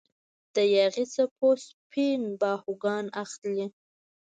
د یاغي څپو سپین باهوګان اخلي